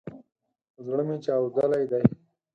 زړه مي چاودلی دی